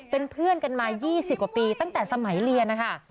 เป็นเพื่อนกันมา๒๐กว่าปีตั้งแต่สมัยเรียนนะคะ